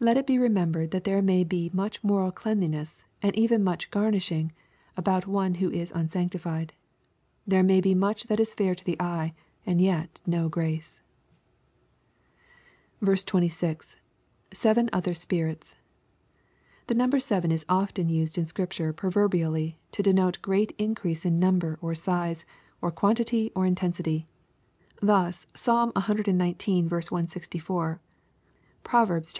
Let it be remembered that there may be much moral cleanli * ness, and even much *' garnishing," about one who is unsanctified. There may be much that is fair to the eye, and yet no grace. 26. — [Seven other spirits.] The number seven is often used in Scripture proverbially, to denote great increase in number, or size, or quantity, or intensity. Thus, Psalm cxix. 164; Prov. xxiv.